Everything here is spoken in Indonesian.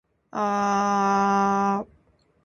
Udin belajar merempah berbagai gulai dan sayur